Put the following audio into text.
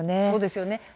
そうですよね。